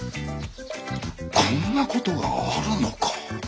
こんなことがあるのか？